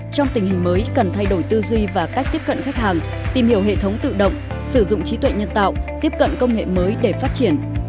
trong tình hình mới cần thay đổi tư duy và cách tiếp cận khách hàng tìm hiểu hệ thống tự động sử dụng trí tuệ nhân tạo tiếp cận công nghệ mới để phát triển